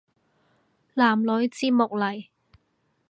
男女節目嚟